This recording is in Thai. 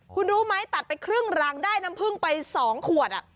คุณรู้ไหมตัดไปครึ่งรังได้น้ำพึ่งไป๒ขวด